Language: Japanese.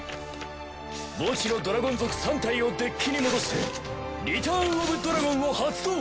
墓地のドラゴン族３体をデッキに戻してリターン・オブ・ドラゴンを発動。